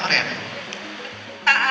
dipaksa gabung ke sini atau enggak